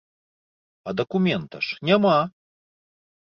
А дакумента ж няма!